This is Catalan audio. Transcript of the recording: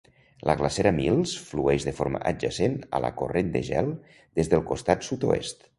La glacera Mills flueix de forma adjacent a la corrent de gel des del costat sud-oest.